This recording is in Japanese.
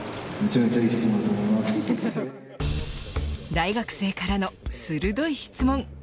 大学生からの鋭い質問。